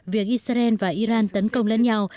việc israel và iran tấn công lẫn nhau